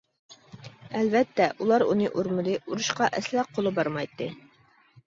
ئەلۋەتتە ئۇلار ئۇنى ئۇرمىدى، ئۇرۇشقا ئەسلا قولى بارمايتتى.